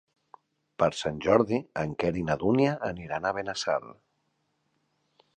Per Sant Jordi en Quer i na Dúnia aniran a Benassal.